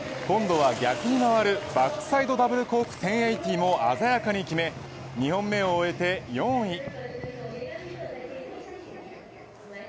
今度は逆に回るバックサイドダブルコーク１０８０を鮮やかに決め２本目を終えて４位。